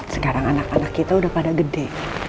sekarang anak anak kita udah pada gede